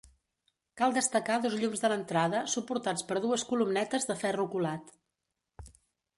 Cal destacar dos llums de l'entrada, suportats per dues columnetes de ferro colat.